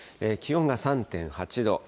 気温が３．８度。